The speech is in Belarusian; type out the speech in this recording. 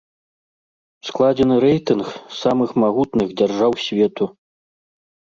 Складзены рэйтынг самых магутных дзяржаў свету.